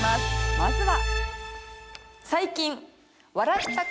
まずは。